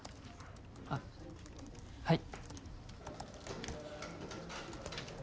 あっはい。